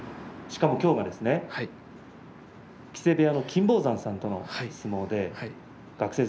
きょうは木瀬部屋の金峰山さんとの相撲でしたね。